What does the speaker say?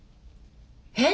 えっ！？